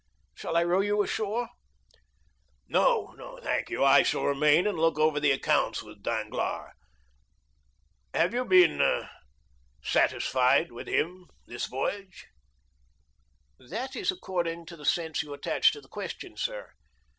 "Shall I row you ashore?" "No, thank you; I shall remain and look over the accounts with Danglars. Have you been satisfied with him this voyage?" "That is according to the sense you attach to the question, sir.